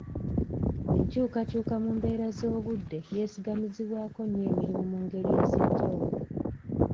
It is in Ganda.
Enkyukakyuka mu mbeera z'obudde yeesigamizibwako nnyo emirimu mu ngeri ez'enjawulo.